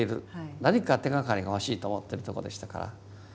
何か手がかりがほしいと思ってるところでしたから。